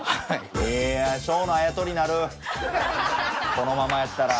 このままやったら。